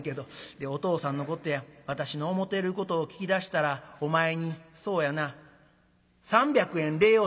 お父さんのことや私の思てることを聞き出したらお前にそうやな３００円礼をするやろ」。